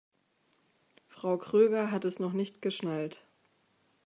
Frau Kröger hat es noch nicht geschnallt.